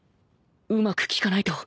うまく聞かないと。